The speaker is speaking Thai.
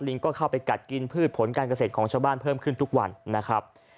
ก็เข้าไปกัดกินพืชผลการเกษตรของชาวบ้านเพิ่มขึ้นทุกวันนะครับ